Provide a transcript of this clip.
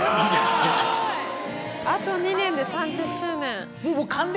あと２年で３０周年。